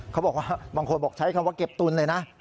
ของบางคนบอกใช้คำว่าเก็บตุนเลยนะ